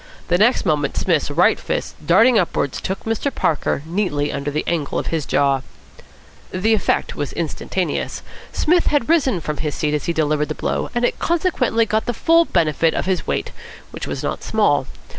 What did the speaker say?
The next moment Psmith's right fist, darting upwards, took Mr. Parker neatly under the angle of the jaw. The effect was instantaneous. Psmith had risen from his seat as he delivered the blow, and it consequently got the full benefit of his weight, which was not small. Mr.